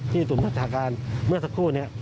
ที่สินตุปบัจจาการเมื่อสักครู่นี้